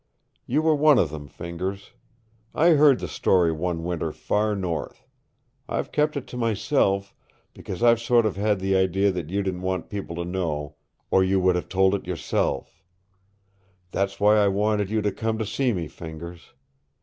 You were one of them, Fingers. I heard the story one Winter far north. I've kept it to myself, because I've sort of had the idea that you didn't want people to know or you would have told it yourself. That's why I wanted you to come to see me, Fingers.